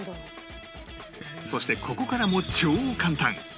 そしてここからも超簡単